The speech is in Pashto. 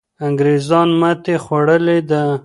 انګریزان ماتې خوړلې ده.